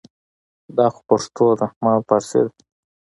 دا خو پښتو ده ما ویل فارسي ده